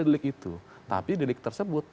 delik itu tapi delik tersebut